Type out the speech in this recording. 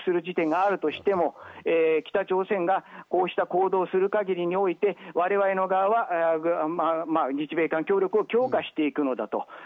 いずれどこかで接触する時点があるとしても、北朝鮮がこうした行動をする限りにおいて、我々の側は日米韓協力を強化していくのだと。